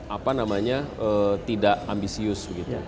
apa namanya tidak ambisius